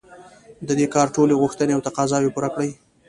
د دې کار ټولې غوښتنې او تقاضاوې پوره کړي.